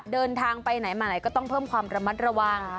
เดินทางไปไหนมาไหนก็ต้องเพิ่มความระมัดระวัง